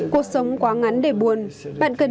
cuộc sống quá ngắn để buồn